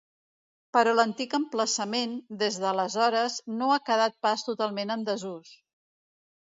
Però l’antic emplaçament, des d’aleshores, no ha quedat pas totalment en desús.